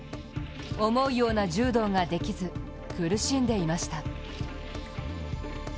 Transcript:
思うような柔道ができず、苦しんでいました。